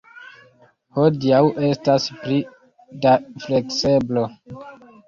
Hodiaŭ estas pli da flekseblo.